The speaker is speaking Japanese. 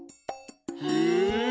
へえ。